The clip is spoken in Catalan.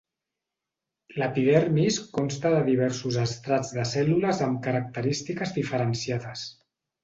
L'epidermis consta de diversos estrats de cèl·lules amb característiques diferenciades.